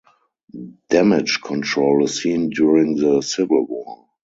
Damage Control is seen during the "Civil War".